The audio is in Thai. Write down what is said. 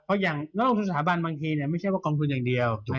เพราะอย่างนอกสถาบันบางทีไม่ใช่ว่ากองทุนอย่างเดียว